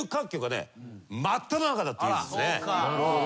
なるほど。